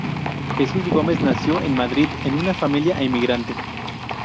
Jesús Gómez nació en Madrid, en una familia emigrante.